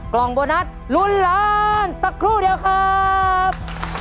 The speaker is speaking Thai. กล่องโบนัสลุ้นล้านสักครู่เดียวครับ